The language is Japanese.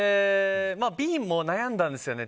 Ｂも悩んだんですよね。